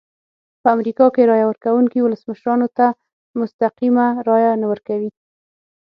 په امریکا کې رایه ورکوونکي ولسمشرانو ته مستقیمه رایه نه ورکوي.